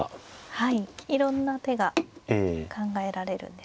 はいいろんな手が考えられるんですね。